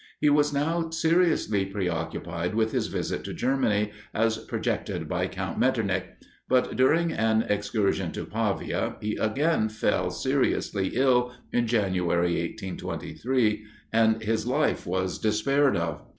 He was now seriously preoccupied with his visit to Germany, as projected by Count Metternich; but during an excursion to Pavia, he again fell seriously ill, in January, 1823, and his life was despaired of.